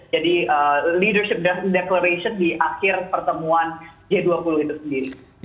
jadi leadership declaration di akhir pertemuan g dua puluh itu sendiri